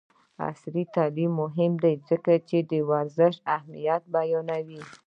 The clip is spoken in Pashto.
عصري تعلیم مهم دی ځکه چې د ورزش اهمیت بیانوي.